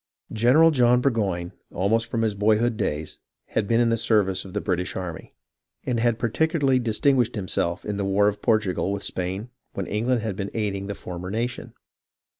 General John Burgoyne almost from his boyhood days ^2^1. PREPARING FOR A NEW CAMPAIGN 1 65 had been in the service of the British army, and had partic ularly distinguished himself in the war of Portugal with Spain when England had been aiding the former nation.